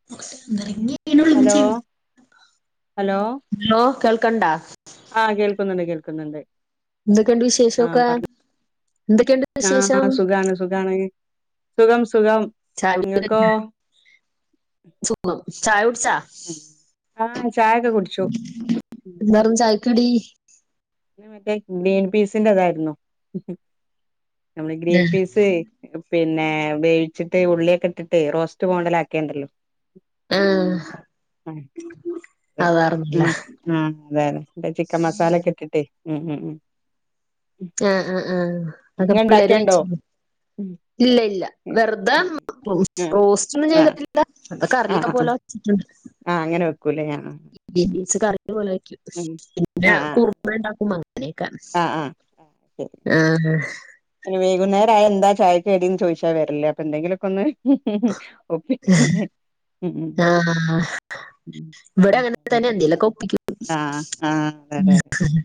[unintelligible] Hello hello? Hello കേൾക്ക്ണ്ടാ? ആഹ് കേൾക്കുന്നുണ്ട് കേൾക്കുന്നുണ്ട്. എന്തൊക്കെയുണ്ട് ആഹ് വിശേഷമൊക്കെ എന്തൊക്കെയുണ്ട് പർഞ്ഞോ വിശേഷം ആ സുഖാണ് സുഖാണ്. സുഖം സുഖം. ചായ കുടികല് നിങ്ങക്കോ കഴിഞ്ഞോ ഉം. സുഖം ചായ കുട്ച്ചാ? ആഹ് ചായൊക്കെ കുടിച്ചു. ഉം ചായക്കടി. ഇന്ന് മറ്റേ ഗ്രീൻ പീസിന്റെതായിരുന്നു നമ്മള് ഗ്രീൻ പീസ്. ക്ക് പിന്നെ വേവിച്ചിട്ട് ഉള്ളിയൊക്കെ ഇട്ടിട്ട് റോസ്റ്റ് മോഡലാക്കിയണ്ടല്ലോ. ആഹ് അതാർന്നില്ല [unintelligible] ആഹ് അതെ അതെ ഇവ്ടെ ചിക്കൻ മസാലൊക്കെ ഇട്ടിട്ട് ഉം ഉം ഉം. ആ ആ ആ അവ്ടെ ഇങ്ങള് വിള്ളേര് ഇണ്ടാക്കേണ്ടോ വച്ച്. ഇല്ല്യ ഇല്ല വെറുതെ റോസ്റ്റ് ആഹ് റോസ്റ്റാന്നും ആഹ് ചെയ്തിട്ട്. ല്ല നല്ല ആഹ് കറിയൊക്കെ ആഹ് പോലെ വെച്ചിട്ടുണ്ട്. ആഹ് അങ്ങനെ വെക്കൂലേ അആ. ഗ്രീൻ പീസ് കറിയ പോലാക്കി പിന്നെ ആഹ് കുറുമ ഉണ്ടാക്കും പോ അങ്ങനെയൊക്കെ. അ ആഹ് ആഹ് ശരി ആഹ്. ഇനി വൈകുന്നേരായ എന്താ ചായക്ക് തടീന്ന് ചോദിച്ചാ വരല് അപ്പൊ എന്തെങ്കിലൊക്കെ ഒന്ന്. ഒപ്പിക്കന്നെ ഉം. ആഹ്. ഉം ഉം ഇവിടെങ്ങൻ അതെ തന്നെ അതെ. ന്തെലൊക്കെ കൊപ്പിക്ക ആഹ് ആഹ് അതെ അതെ അതെ ഉം.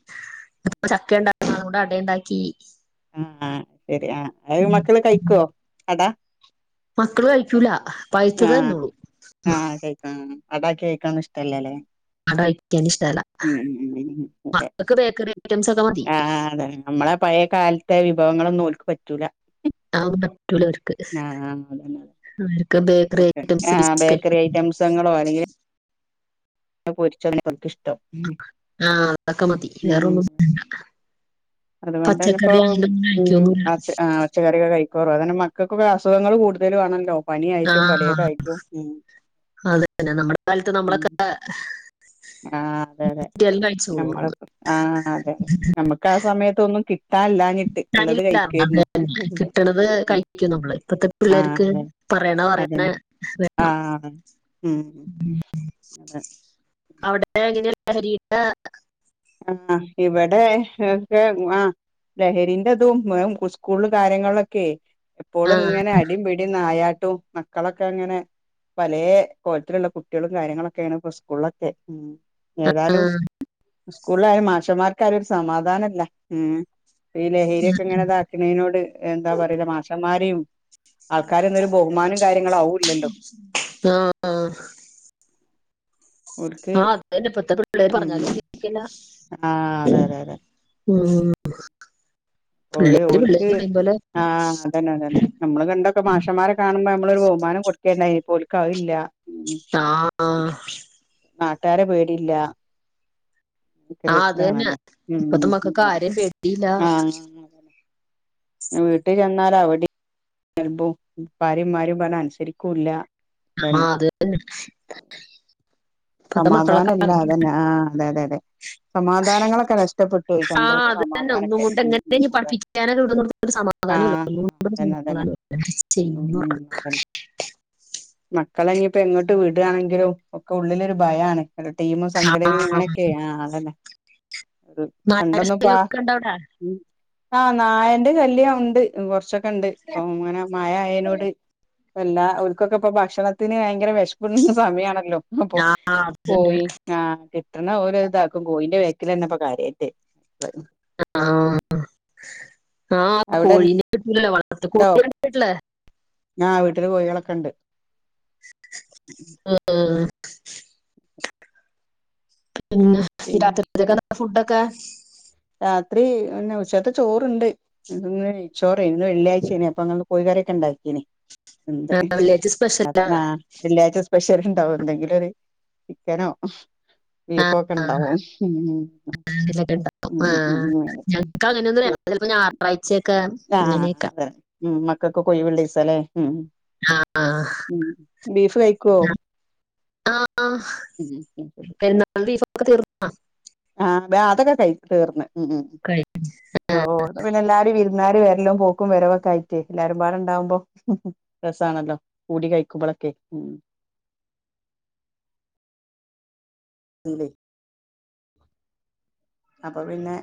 അപ്പ ചക്ക ഉണ്ടാക്കുന്ന കൂടെ അട ഇണ്ടാക്കി. ഹ്മ് ആഹ് ശരി ആ അത് മക്കള് കയ്ക്കോ അട? മക്കള് കൈക്കൂല പഴുത്തതെ തിന്നുള്ളു. കെക്കാം. അടാക്കി കൈക്കാൻ ഇഷ്ട്ടല്ലല്ലേ. അട കഴിക്കാൻ ഇഷ്ടല്ല ഉം ഉം ഉം അതെ മക്കൾക്ക് ബേക്കറി ഐറ്റംസ് ഒക്കെ മതി ആ ആ അതെ. അമ്മളെ പഴയ കാലത്തെ വിഭവങ്ങളൊന്നും ഓൽക്ക് പറ്റൂല. അഒന്നും പറ്റൂല ഓര്ക്ക്. ആഹ് ആഹ് അതെന്നെ. ഉള്ളിത്തണ്ട്. പ്പൊക്കെ ആ ബേക്കറി ഐറ്റംസങ്ങളോ അല്ലെങ്കിൽ. ന്നാ പൊരിച്ചാനൊക്കെ ഓൽക്കിഷ്ട്ടം. ആഹ് അതൊക്കെ മതി വേറൊന്നും വേണ്ട. അതുകൊണ്ടന്നെ ഇപ്പോ ഉം കഴിക്കൊന്നുമില്ല ആച്ച് ആ. പച്ചക്കറിയൊക്കെ കഴിക്കോറ അങ്ങനെ മക്കൊക്കെ അസുഖങ്ങൾ കൂടുതലും ആണല്ലോ. പനിയായിട്ടും ആഹ് പലേതായിട്ടും ഉം അതന്നെ നമ്മുടെ കാലത്ത് നമ്മളൊക്കെ. ആഹ് അതെ അതെ കിട്ടിയാലും കഴിച്ചോളൂ നമ്മള് ഓർന്ന് ആഹ് അതെ നമക്ക്. ക്കാ സമയത്തൊന്നും കിട്ടാൻല്ല. ഞ്ഞിട്ട് ഇള്ളത് തരില്ല അത് കഴിക്കേര്ന്നു തന്നെ കിട്ടണത് ഉം കഴിക്കും നമ്മള് ഇപ്പത്തെ പിള്ളേർക്ക് ആഹ്. പറയണ പറയണ അതെന്നെ വേണം ആഹ് ഉം അതെ. അവിടെ എങ്ങനെ ലഹരിന്റെ. ആഹ് ആ ഇവിടെ ഒക്കെ ആഹ് ലഹരിന്റതും സ്കൂളല് കാര്യങ്ങളൊക്കെ ആ ആ എപ്പോഴും ങ്ങനെ അടി പിടി നായാട്ടും മക്കളൊക്കെ ങ്ങനെ പലേ കോലത്തിലുള്ള കുട്ടേളും കാര്യങ്ങളൊക്കെണ് പ്പോ സ്കൂളിലൊക്കെ ഉം ഏതായാലും സ്കൂളിലായാലും മാഷമ്മാർക്കായാലും ഒരു സമാധാനംല്ല ഉം ഈ ലഹരിഒക്കെ ഇങ്ങനെത ക്ക്ണീനോട്‌ എന്താ പറയ മാഷന്മാരേം ആൾക്കാരന്നൊരു ബഹുമാനം കാര്യങ്ങള അഊ ആഹ് ആഹ് ഓൽക്ക് ആഹ് അതന്നെ പ്പത്തെ പിള്ളേരെ ഉം പറഞാലും കേക്കില്ല ആഹ് അതെ അതെ അതെ ഉം പിള്ളേര് പിള്ളേര് പറിയും പോലെ തന്നെ തന്നെ നമ്മള് പണ്ടൊക്കെ മാഷന്മാരെ കാണുമ്പോ ഞമ്മളൊരു ബഹമാനം കൊടുക്കണ്ടായിനി പ്പോ ഓല്ക്കതില്ല താ ആഹ് നാട്ടാരെ പേടില്ല ആ എനിക്കൊരു അത് തന്നെ ഇതാണല്ലേ ഇപ്പത്തെ ഉം മക്കൾക്ക് ആരെയും പേടിയില്ല ആ വീട്ടു ചെന്നാല് അവടിം പ്പാരും മ്മാരും പറഞ്ഞ അനുസരിക്കുല്ല. ആ അത് തന്നെ ഇപ്പത്തെ മക്കളൊക്കെ സമാധാനല്ല അങ്ങനെ. അതന്നെ ആ അതെ അതെ അതെ സമാധാനങ്ങളൊക്കെ നഷ്ടപ്പെട്ടു പോയി ആ സന്തോഷം അത് തന്നെ ഒന്നും സമാധാനൊക്കെ കൊണ്ട് എങ്ങനെ ഇനി അതെ പഠിപ്പിക്കാനൊക്കെ ഇവിടെ ഒരു സമാധാനോല്ല ആഹ് ഒന്നോണ്ടും ഒരു അതന്നെ അതന്നെ സമാധാനല്ല ന്ത് ചെയ്യു മക്കളഞ്ഞിപ്പോ എങ്ങട്ട് വിടാണെങ്കിലും ഒക്കെ ഉള്ളിലൊരു ഭയമാണ്. ല്ല ടീമും സംഘടനിം ങ്ങനെയൊക്കെയ ആ അതന്നെ അ നായയുടെ പണ്ടന്നുംപ്പാ ശല്യമൊക്കെ ഉണ്ട് അവിടെ ഉം ആഹ് നായന്റെ ശല്ല്യ ഒണ്ട് കൊറച്ചൊക്കെ ഒണ്ട് പ്പൊ ങ്ങനെ മായ അയേനോട് എല്ലാ ഓൽക്കൊക്കെ പ്പൊ ഭക്ഷണത്തിന് ഭയങ്കര വെഷകുണ സമയമാണല്ലോ? അപ്പൊ ആ, അത് തന്നെ. പോയി ആഹ് കിട്ടണ ഓരിതാക്കു കൊ കോയിന്റെ വേക്കിലന്നെ പ്പോ കാര്യയിട്ടേ ആഹ് ആഹ് ആ അവിടെ കോഴീന്റെ കിട്ടലല്ലോ വളർത്ത് കോഴിളെ കണ്ടിട്ടില്ലേ? ആഹ് വീട്ടില് കോഴികളൊക്കെണ്ട് ആഹ് [unintelligible] പിന്നെ ഈ പിന്നെ രാത്രിക്കെന്താ ഫുഡൊക്കെ രാത്രി പിന്നെ ഉച്ചാത്തെ ചോറ്ണ്ട്. ഇന്ന് നെയ്ചോറ് യ്ഞ്ഞു ഇന്ന് വെള്ളിയാഴ്ചയ്ഞ്ഞു അപ്പൊ അങ്ങന കോയി കറി ഒക്കെ ണ്ടാക്കീന് എന്ത് വില്ലേജ് ആഹ് ആ സ്പെഷ്യലാണ് വെള്ളിയാഴ്ച്ച സ്പെഷ്യല് ണ്ടാവും എന്തെങ്കിലും ഒരു ചിക്കനോ? ആ ബീഫോക്കെ ണ്ടാവും. ഹ് ആഹ് ഞങ്ങക്ക് അങ്ങനൊന്നും ഞങ്ങള് ചെലപ്പോ ഞായറായ്ചൊക്കെ ആ ഇങ്ങനെയൊക്കെ അതെ ഉം ഉം മക്കൾക്ക് ഒക്കെ ഒയി വിള്ളിസല്ലേ ഉം ആഹ് ഉം ബീഫ് കയിക്കോ? ആഹ് ആഹ് ഉം പെരുന്നാൾ ഭീഫൊക്കെ തീർന്നോ? ആഹ് തെ അതൊക്കെ കയി തീർന്ന് ഉം ഉം കഴിഞ്ഞ ഓഹ് ഓഹ് പിന്നെ എല്ലാരും വിരുന്നാര് വെരലും പോക്കും വരവൊക്കെ ആയിട്ടേയ് എല്ലാരും പാടണ്ടാവുമ്പോ? രസാണല്ലോ കൂടി കയിക്കുമ്പോളൊക്കെ ഉം ണ്ട് അപ്പൊ പിന്നെ